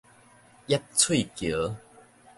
挹翠橋